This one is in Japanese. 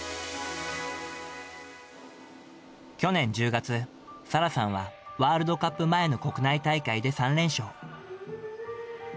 去年１０月、沙羅さんはワールドカップ前の国内大会で３連勝。